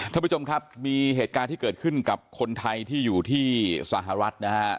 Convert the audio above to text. ท่านผู้ชมครับมีเหตุการณ์ที่เกิดขึ้นกับคนไทยที่อยู่ที่สหรัฐนะฮะ